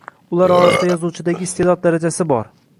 Ular orasida yozuvchidagi iste’dod darajasi bor.